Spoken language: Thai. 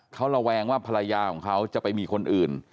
เขาระแวงว่าภรรยาของเขาจะไปมีคนอื่น